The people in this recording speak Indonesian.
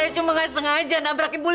saya cuma gak sengaja nabrak ibu lila